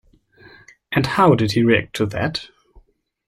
And how did he react to that?